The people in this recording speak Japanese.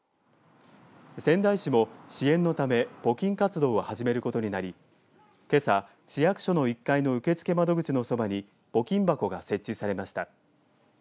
仙台市も支援のため募金活動を始めることになりけさ、市役所の１階の受付窓口のそばに募金箱が設置されました。